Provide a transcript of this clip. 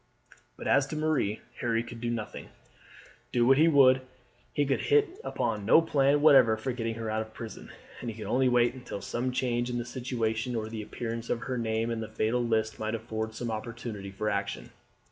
But as to Marie, Harry could do nothing. Do what he would, he could hit upon no plan whatever for getting her out of prison; and he could only wait until some change in the situation or the appearance of her name in the fatal list might afford some opportunity for action.